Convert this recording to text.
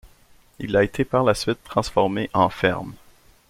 Il a été par la suite transformé en ferme.